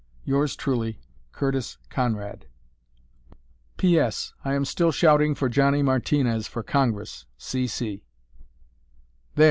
"Yours truly, "CURTIS CONRAD. "P. S. I am still shouting for Johnny Martinez for Congress. C. C." "There!"